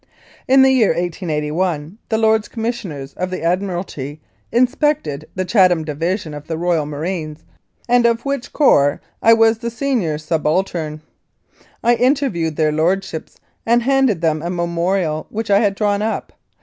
In the year 1881 the Lords Commissioners of the Admiralty inspected the Chatham Division of the Royal Marines, of which division I was adjutant, and of which corps I was the senior subaltern. I interviewed their Lordships and handed them a memorial which I had drawn up.